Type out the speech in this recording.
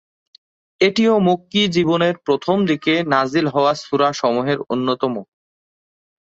এটিও মক্কী জীবনের প্রথম দিকে নাযিল হওয়া সূরা সমূহের অন্যতম।